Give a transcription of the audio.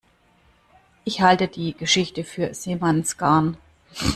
Ich halte die Geschichte für Seemannsgarn.